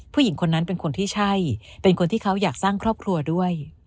ผู้หญิงคนนั้นเป็นคนที่ใช่เป็นคนที่เขาอยากสร้างครอบครัวด้วย